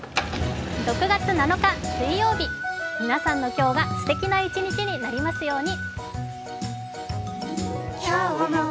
６月７日水曜日、皆さんの今日がすてきな一日になりますように。